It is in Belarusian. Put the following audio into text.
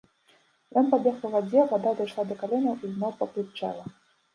Ён пабег па вадзе, вада дайшла да каленяў і зноў паплытчэла.